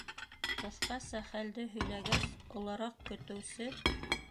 Ҡыҫҡаса хәлде һөйләгәс, олораҡ көтөүсе: